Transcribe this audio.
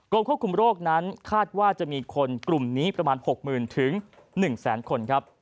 กรมควบคุมโรคนั้นคาดว่าจะมีคนกลุ่มนี้ประมาณ๖๐๐๐๐๑๐๐๐๐๐คน